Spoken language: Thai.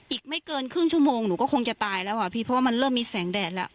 อีกไม่เกินครึ่งชั่วโมงหนูก็คงจะตายแล้วอ่ะพี่เพราะว่ามันเริ่มมีแสงแดดแล้ว